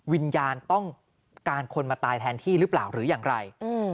วิญญาณต้องการคนมาตายแทนที่หรือเปล่าหรืออย่างไร